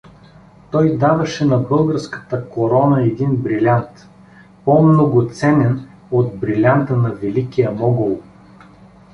Той даваше на българската корона един брилянт, по-многоценен от брилянта на Великия Могол.